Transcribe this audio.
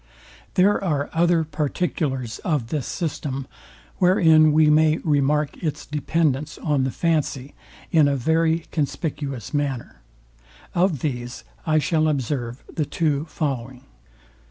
There are other particulars of this system, wherein we may remark its dependence on the fancy, in a very conspicuous manner. Of these, I shall observe the two following.